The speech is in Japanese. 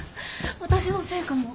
私のせいかも。